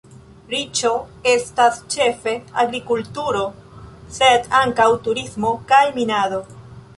Riĉo estas ĉefe agrikulturo, sed ankaŭ turismo kaj minado.